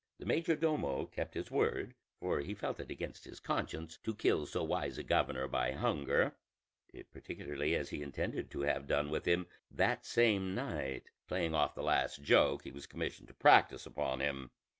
The major domo kept his word, for he felt it against his conscience to kill so wise a governor by hunger; particularly as he intended to have done with him that same night, playing off the last joke he was commissioned to practice upon him.